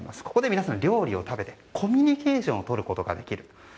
ここで皆さん料理を食べてコミュニケーションをとることができる。